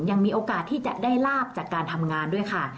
ยังมีโอกาสที่จะได้ลาบจากการทำงานด้วยค่ะ